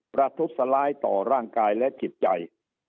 ประทุษร้ายต่อร่างกายและจิตใจ